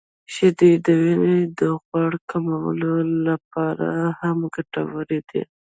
• شیدې د وینې د غوړ کمولو لپاره هم ګټورې دي.